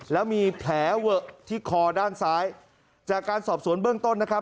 แล้วมีแผลเวอะที่คอด้านซ้ายจากการสอบสวนเบื้องต้นนะครับ